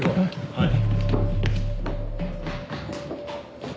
はい。